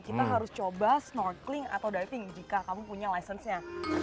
kita harus coba snorkeling atau diving jika kamu punya lisensinya